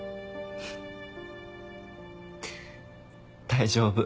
大丈夫。